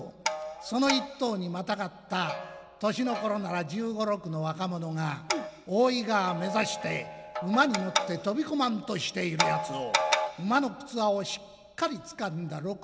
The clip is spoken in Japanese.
その一頭にまたがった年の頃なら１５１６の若者が大井川目指して馬に乗って飛び込まんとしているやつを馬のくつわをしっかりつかんだ６０過ぎの一人の父っつぁん。